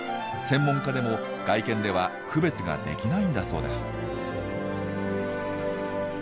専門家でも外見では区別ができないんだそうです。